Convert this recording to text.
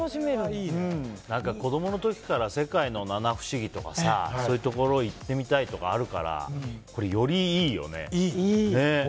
子供の時から世界の七不思議とかそういうところに行ってみたいとかあるからこれ、よりいいよね。